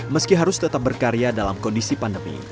meski harus tetap berkarya dalam kondisi pandemi